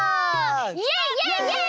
イエイイエイイエイ！